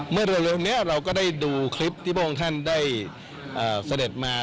เมื่อเร็วนี้เราก็ได้ดูคลิปที่พระองค์ท่านได้เสด็จมา